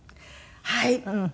はい。